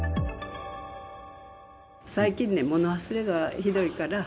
最近ね、物忘れがひどいから。